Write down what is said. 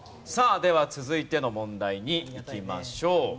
さあでは続いての問題にいきましょう。